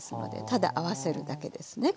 ただ合わせるだけですね